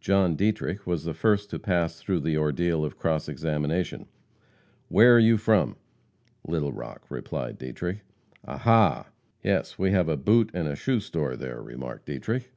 John Dietrich was the first to pass through the ordeal of cross examination. "Where are you from?" "Little Rock," replied Dietrich. "Ah, ha!" "Yes, have a boot and shoe store there," remarked Dietrich.